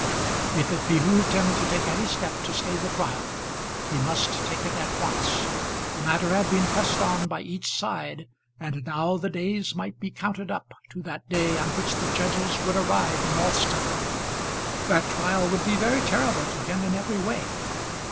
If it behoved him to take any step to stay the trial, he must take it at once. The matter had been pressed on by each side, and now the days might be counted up to that day on which the judges would arrive in Alston. That trial would be very terrible to him in every way.